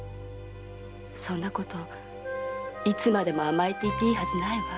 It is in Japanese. そんなこといつまでも甘えていていいはずないわ。